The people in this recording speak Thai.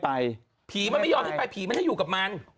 ผีมันยอดได้ไปผีมันยอดได้อยู่กับมัน